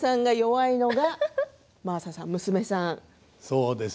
そうです。